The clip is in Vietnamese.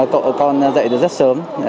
cậu con dạy được rất sớm